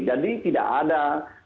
jadi tidak ada